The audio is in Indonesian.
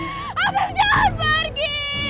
abim jangan pergi